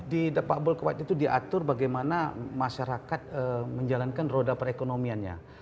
di depable quid itu diatur bagaimana masyarakat menjalankan roda perekonomiannya